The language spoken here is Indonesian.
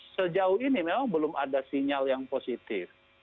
sejauh ini memang belum ada sinyal yang positif